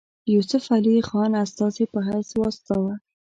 یوسف علي خان استازي په حیث واستاوه.